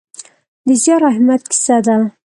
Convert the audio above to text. د زیار او همت کیسه ده.